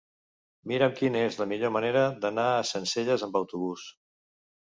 Mira'm quina és la millor manera d'anar a Sencelles amb autobús.